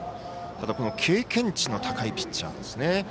経験値が高いピッチャーですね。